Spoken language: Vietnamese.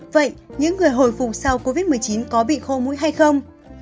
vậy những người hồi phục sau covid một mươi chín có bị khô mũi hay không